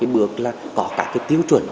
bước là có các tiêu chuẩn